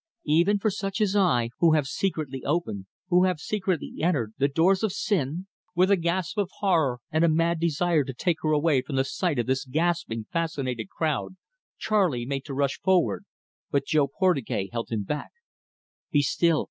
Even for such as I, who have secretly opened, who have secretly entered, the doors of sin " With a gasp of horror and a mad desire to take her away from the sight of this gaping, fascinated crowd, Charley made to rush forward, but Jo Portugais held him back. "Be still.